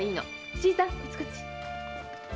新さんこっちこっち。